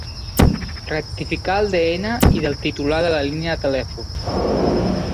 Rectificar el de ena i del titular de la línia de telèfon.